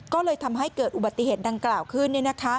ก็เลยทำให้เกิดอุบัติเหตุดังกล่าวขึ้น